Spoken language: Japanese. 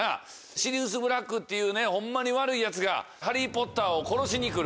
シリウス・ブラックっていうホンマに悪いヤツがハリー・ポッターを殺しに来る